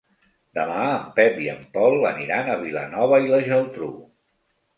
Demà en Pep i en Pol aniran a Vilanova i la Geltrú.